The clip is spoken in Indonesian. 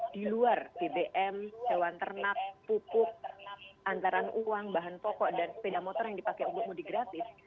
di luar bbm hewan ternak pupuk antaran uang bahan pokok dan sepeda motor yang dipakai untuk mudik gratis